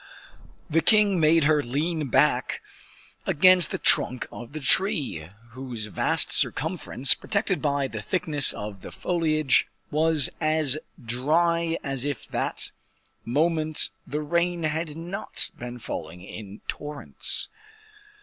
The king made her lean back against the trunk of the tree, whose vast circumference, protected by the thickness of the foliage, was as dry as if at that moment the rain had not been falling in torrents.